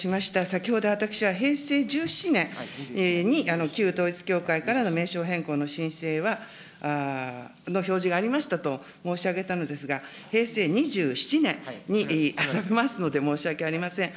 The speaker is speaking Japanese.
先ほど私は、平成１７年に旧統一教会からの名称変更の申請の表示がありましたと申し上げたんですが、平成２７年になりますので、申し訳ありません。